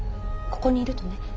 ここにいるとね